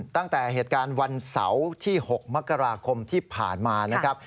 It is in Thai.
ตั้งแต่เหตุการณ์วันเสาร์ที่๖มกราคมที่ผ่านมานะครับ